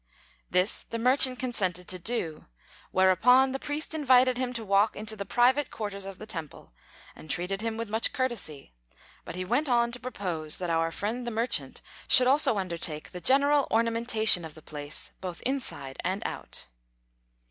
This the merchant consented to do; whereupon the priest invited him to walk into the private quarters of the temple, and treated him with much courtesy; but he went on to propose that our friend the merchant should also undertake the general ornamentation of the place both inside and out.